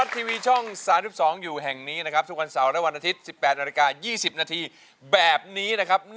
โทรหาคนรู้จัก